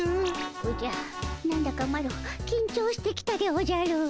おじゃ何だかマロきんちょうしてきたでおじゃる。